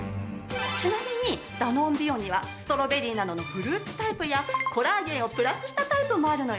ちなみにダノンビオにはストロベリーなどのフルーツタイプやコラーゲンをプラスしたタイプもあるのよ。